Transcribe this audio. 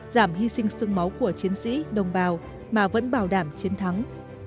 giảm hy sinh sương máu của chiến sĩ đồng bào mà vẫn bảo đảm chiến thắng